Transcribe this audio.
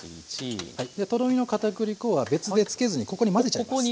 とろみの片栗粉は別でつけずにここに混ぜちゃいます。